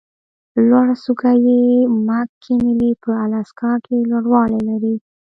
لوړه څوکه یې مک کینلي په الاسکا کې لوړوالی لري.